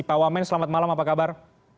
pak wamen selamat malam apa kabar